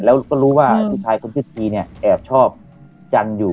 แล้วก็รู้ว่าผู้ชายคนชื่อทีเนี่ยแอบชอบจันทร์อยู่